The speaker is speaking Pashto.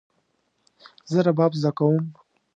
زه رباب زده کوم